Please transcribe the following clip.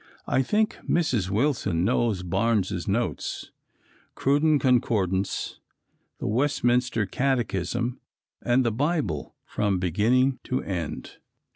I think Mrs. Wilson knows Barnes' notes, Cruden's Concordance, the Westminster Catechism and the Bible from beginning to end.